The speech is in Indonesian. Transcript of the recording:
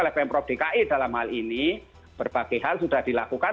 ketika dki dalam hal ini berbagai hal sudah dilakukan